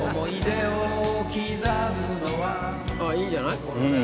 いいんじゃない。